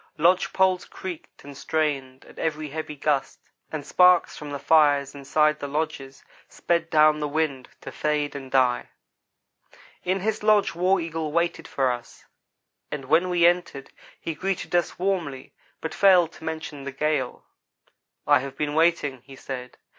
Lodge poles creaked and strained at every heavy gust, and sparks from the fires inside the lodges sped down the wind, to fade and die. In his lodge War Eagle waited for us, and when we entered he greeted us warmly, but failed to mention the gale. "I have been waiting," he said.